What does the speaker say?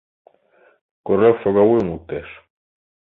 Королёв шогавуйым луктеш.